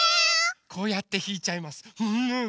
こうやってひいちゃいます。